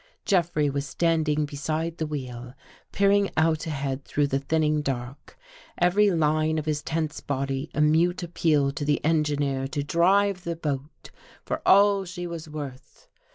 Jeffrey was standing beside the wheel, peering out ahead through the thinning dark, every line of his tense body a mute appeal to the engineer to drive the boat for all she was worth.